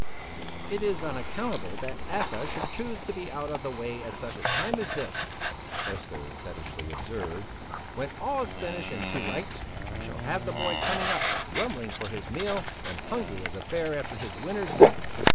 "It is unaccountable that Asa should choose to be out of the way at such a time as this," Esther pettishly observed. "When all is finished and to rights, we shall have the boy coming up, grumbling for his meal, and hungry as a bear after his winter's nap.